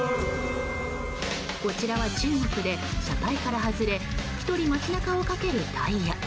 こちらは中国で車体から外れ１人街中を駆けるタイヤ。